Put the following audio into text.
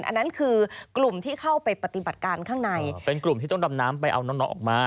อันนั้นคือกลุ่มที่เข้าไปปฏิบัติการข้างในเป็นกลุ่มที่ต้องดำน้ำไปเอาน้องน้องออกมา